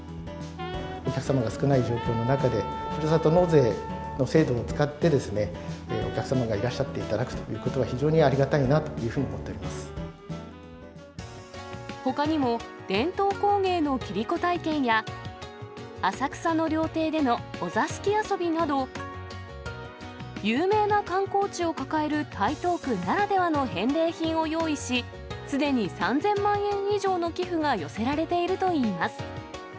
お客様が少ない状況の中で、ふるさと納税の制度を使ってですね、お客様がいらっしゃっていただくということは非常にありがたいなっていうふうに思っておりまほかにも、伝統工芸の切り子体験や、浅草の料亭でのお座敷遊びなど、有名な観光地を抱える台東区ならではの返礼品を用意し、すでに３０００万円以上の寄付が寄せられているといいます。